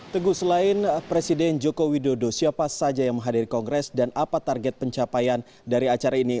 teguh selain presiden joko widodo siapa saja yang menghadiri kongres dan apa target pencapaian dari acara ini